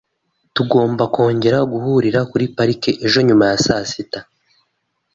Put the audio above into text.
Tugomba kongera guhurira kuri parike ejo nyuma ya saa sita .